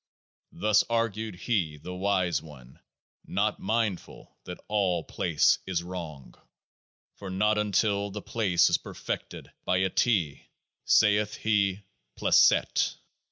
Thus argued he, the Wise One, not mindful that all place is wrong. For not until the PLACE is perfected by a T saith he PLACET.